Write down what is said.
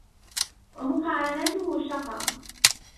وَمُقَارَنَتُهُ شَقَا